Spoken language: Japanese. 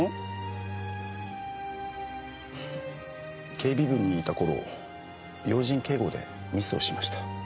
警備部にいた頃要人警護でミスをしました。